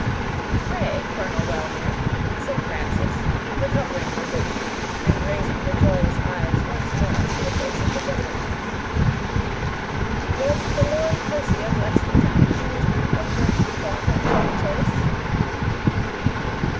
"Pray, Colonel Wellmere," said Frances, recovering her good humor, and raising her joyous eyes once more to the face of the gentleman, "was the Lord Percy of Lexington a kinsman of him who fought at Chevy Chase?"